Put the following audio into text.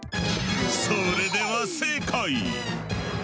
それでは正解！